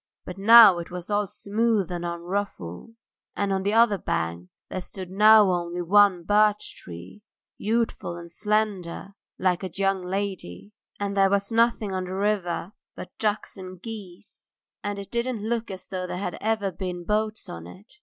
But now it was all smooth and unruffled, and on the other bank there stood now only one birch tree, youthful and slender like a young lady, and there was nothing on the river but ducks and geese, and it didn't look as though there had ever been boats on it.